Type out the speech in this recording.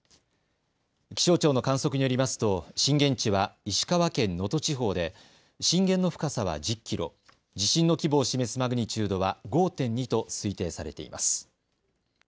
気象庁の観測によりますと震源地は石川県能登地方で震源の深さは１０キロ、地震の規模を示すマグニチュードは５．２と推定されています。